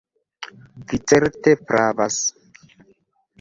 Vi certe pravas!